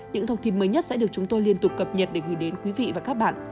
những thông tin mới nhất sẽ được chúng tôi liên tục cập nhật để gửi đến quý vị và các bạn